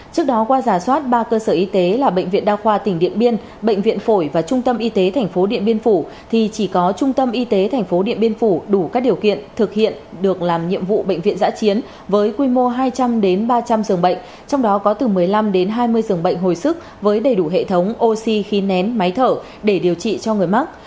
trước đó qua giả soát ba cơ sở y tế là bệnh viện đa khoa tỉnh điện biên bệnh viện phổi và trung tâm y tế tp điện biên phủ thì chỉ có trung tâm y tế tp điện biên phủ đủ các điều kiện thực hiện được làm nhiệm vụ bệnh viện giã chiến với quy mô hai trăm linh ba trăm linh dường bệnh trong đó có từ một mươi năm hai mươi dường bệnh hồi sức với đầy đủ hệ thống oxy khi nén máy thở để điều trị cho người mắc